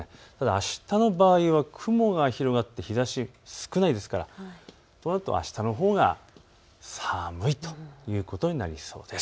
あしたの場合は雲が広がって日ざしが少ないですから、あしたのほうが寒いということになります。